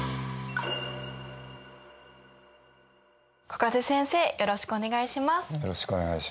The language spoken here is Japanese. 小風先生よろしくお願いします。